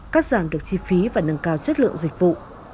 cắt giảm được chi phí và nâng cao chất lượng dịch vụ